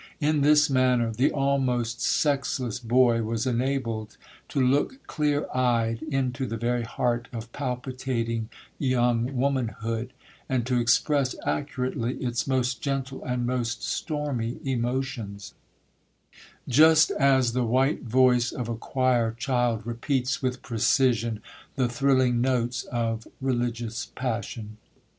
In this manner, the almost sexless boy was enabled to look clear eyed into the very heart of palpitating young womanhood, and to express accurately its most gentle and most stormy emotions; just as the white voice of a choir child repeats with precision the thrilling notes of religious passion.